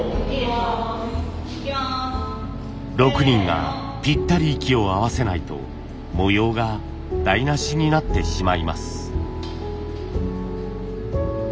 ６人がぴったり息を合わせないと模様が台なしになってしまいます。